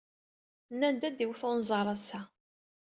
Nnan-d ad d-iwet unẓar ass-a.